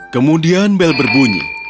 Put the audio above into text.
kemudian bel berbunyi